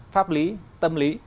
pháp lý tâm lý